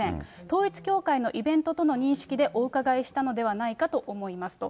統一教会のイベントとの認識でお伺いしたのではないかと思いますと。